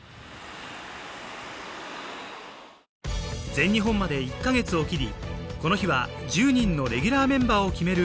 全日本まで１か月を切りこの日は１０人のレギュラーメンバーを決める